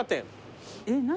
えっ何？